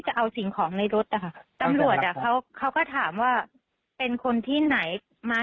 จะเอาสิ่งของในรถนะคะตำรวจอ่ะเขาเขาก็ถามว่าเป็นคนที่ไหนมา